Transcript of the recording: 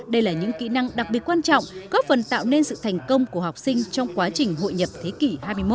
đây là những kỹ năng đặc biệt quan trọng góp phần tạo nên sự thành công của học sinh trong quá trình hội nhập thế kỷ hai mươi một